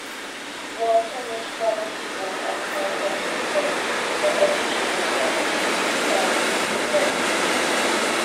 Walter was probably born at Merton in Surrey or educated there; hence the surname.